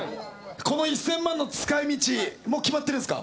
この１０００万円の使い道決まってるんですか？